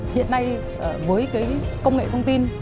hiện nay với cái công nghệ thông tin